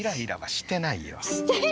してないよ！